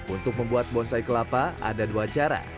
untuk membuat bonsai kelapa ada dua cara